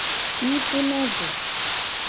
Mi puna du.